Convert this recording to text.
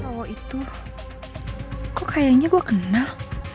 kalau itu kok kayaknya gue kenal